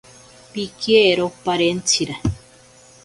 Pikiero parentsira.